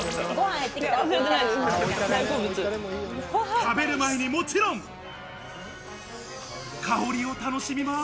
食べる前にもちろん、香りを楽しみます。